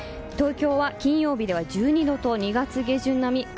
東京は金曜日は１２度と２月下旬並み。